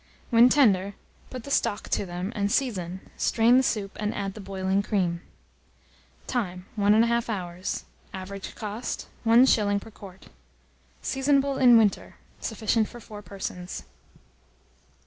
When tender, put the stock to them, and season; strain the soup, and add the boiling cream. Time. 1 1/2 hour. Average cost, 1s. per quart. Seasonable in winter. Sufficient for 4 persons.